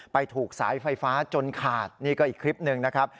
ไปถูกสายไฟฟ้าจนขาดนี่ก็อีกคลิปหนึ่งนะครับ